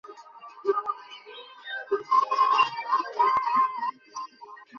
কেউ আত্মহত্যার সরঞ্জাম হারিয়ে ফেললে তাকে নির্যাতন করে মেরে ফেলা হয়।